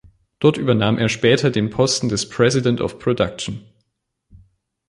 Dort übernahm er später den Posten des "President of Production".